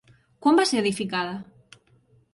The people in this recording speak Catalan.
Quan va ser edificada?